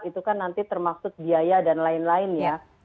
itu kan nanti termaksud biaya dan lain lain ya